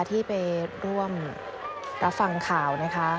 ที่ไปร่วมรับฟังข่าวนะคะ